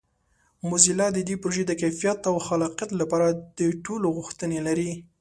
موزیلا د دې پروژې د کیفیت او خلاقیت لپاره د ټولو غوښتنې لري.